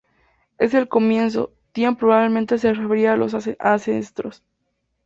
En el comienzo, Tian probablemente se refería a los ancestros.